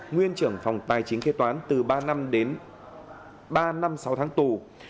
nguyên trưởng phòng tài chính kế toán từ ba năm đến ba năm sáu tháng tù